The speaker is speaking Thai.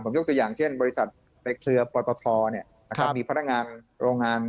ผมยกตัวอย่างเช่นบริษัทในเครือปอตทมีพนักงานโรงงาน